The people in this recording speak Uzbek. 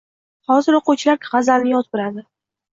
Hozir o‘quvchilar g‘azalni yod biladi.